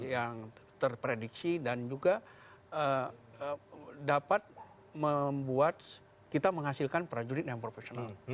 yang terprediksi dan juga dapat membuat kita menghasilkan prajurit yang profesional